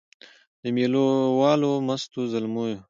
د مېله والو مستو زلمیو